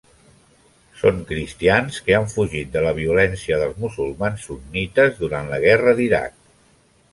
Són cristians que han fugit de la violència dels musulmans sunnites durant la Guerra d'Iraq.